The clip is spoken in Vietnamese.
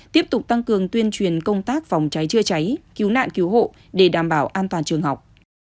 tiếp tục tăng cường tuyên truyền công tác phòng cháy chữa cháy cứu nạn cứu hộ để đảm bảo an toàn trường học